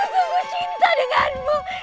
aku sungguh cinta denganmu